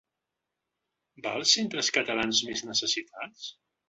Va als centres catalans més necessitats?